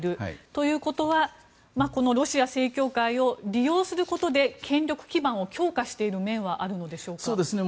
ということはこのロシア正教会を利用することで権力基盤を強化している面はあるのでしょうか。